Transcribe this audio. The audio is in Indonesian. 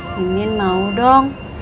mimin mau dong